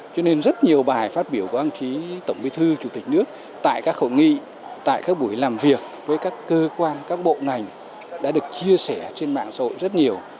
cho nên rất nhiều bài phát biểu của ông chí tổng bí thư chủ tịch nước tại các khẩu nghị tại các buổi làm việc với các cơ quan các bộ ngành đã được chia sẻ trên mạng xã hội rất nhiều